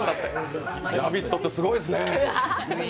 「ラヴィット！」ってすごいですね。